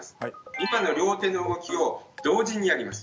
今の両手の動きを同時にやります。